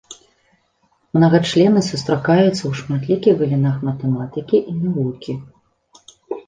Мнагачлены сустракаюцца ў шматлікіх галінах матэматыкі і навукі.